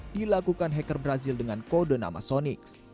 dilakukan hacker brazil dengan kode nama sonix